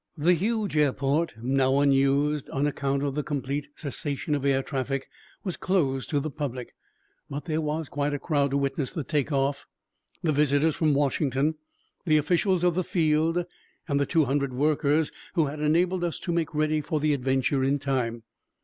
The huge airport, now unused on account of the complete cessation of air traffic, was closed to the public. But there was quite a crowd to witness the take off, the visitors from Washington, the officials of the field, and the two hundred workers who had enabled us to make ready for the adventure in time.